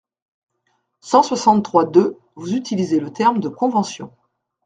cent soixante-trois-deux, vous utilisez le terme de « convention ».